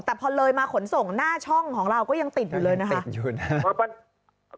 แต่พอเลยมาขนส่งหน้าช่องของเราก็ยังติดอยู่เลยนะคะติดอยู่นะครับ